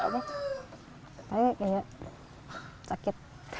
takut enggak sakit